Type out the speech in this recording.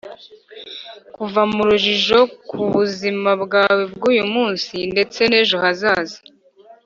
kuva mu rujijo ku buzima bwawe bw’uyu munsi ndetse n’ejo hazaza